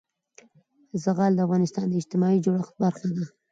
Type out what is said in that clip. زغال د افغانستان د اجتماعي جوړښت برخه ده.